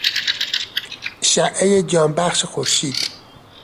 اشعهی جانبخش خورشید